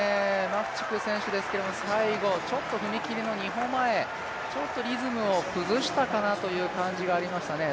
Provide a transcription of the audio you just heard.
マフチク選手ですけれども最後踏み切りの２歩前ちょっとリズムを崩したかなという感じがありましたね。